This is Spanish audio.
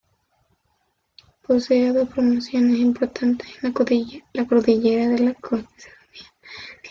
Posee dos formaciones importantes: la Cordillera de la Costa y la Serranía del Interior.